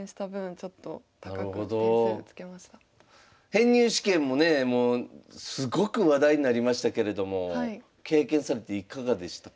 編入試験もねもうすごく話題になりましたけれども経験されていかがでしたか？